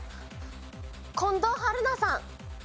近藤春菜さん。